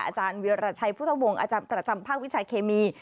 อาจารย์วิราชัยพุทธวงศ์อาจารย์ประจำภาควิชาเคมี